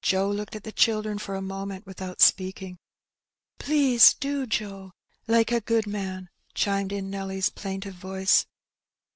Joe looked at the children for a moment without speaking. '^Please do, Joe, like a good man,'' chimed in Nelly's plaintive voice.